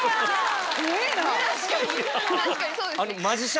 確かにそうですね。